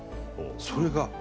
それが。